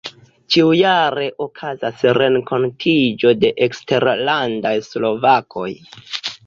Ĉiujare okazas renkontiĝo de eksterlandaj slovakoj.